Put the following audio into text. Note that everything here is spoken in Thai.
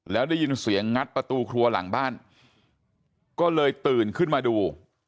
แล้วได้ยินเสียงงัดประตูครัวหลังบ้านก็เลยตื่นขึ้นมาดู